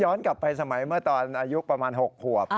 กลับไปสมัยเมื่อตอนอายุประมาณ๖ขวบ